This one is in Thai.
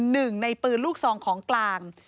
หนึ่งในปืนลูกซองของกลาง